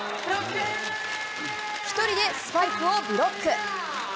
１人でスパイクをブロック。